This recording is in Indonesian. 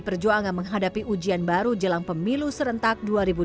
perjuangan menghadapi ujian baru jelang pemilu serentak dua ribu dua puluh